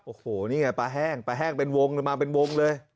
โอ้โหนี่ไงปลาแห้งปลาแห้งเป็นวงมาเป็นวงเลย